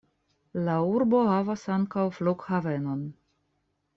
La urbo havas ankaŭ flughavenon.